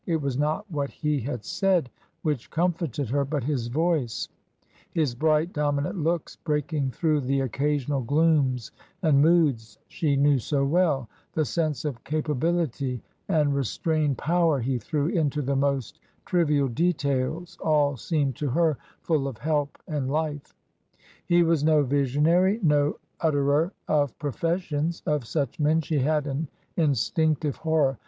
It was not what he had said which comforted her, but his voice, his bright dominant looks breaking through the occasional glooms and moods she knew so well, the sense of capability and restrained power he threw into the most trivial details, all seemed to her full of help and life. He was no visionary, no utterer of professions; of such men she had an in stinctive horror.